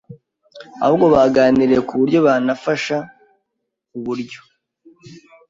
ahubwo baganiriye ku buryo banafasha